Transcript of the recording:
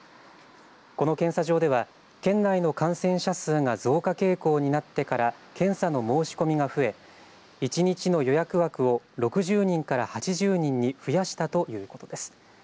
この検査場では県内の感染者数が増加傾向になってから検査の申し込みが増え一日の予約枠を６０人から８０人に増やしたということです。